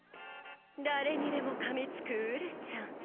誰にでもかみつくうるちゃん。